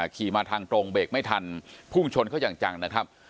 ขี่มาทางตรงเบรกไม่ทันพุ่งชนเขาอย่างจังนะครับ